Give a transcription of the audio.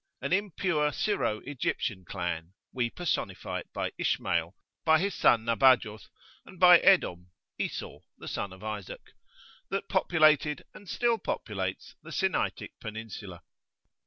An impure Syro Egyptian clan we personify it by Ishmael, by his son Nabajoth, and by Edom, (Esau, the son of Isaac) that populated and still populates the Sinaitic Peninsula.